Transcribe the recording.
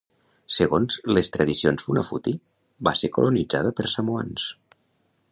Segons les tradicions Funafuti va ser colonitzada per samoans.